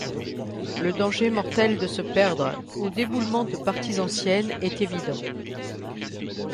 Le danger mortel de se perdre ou d'éboulement de parties anciennes est évident.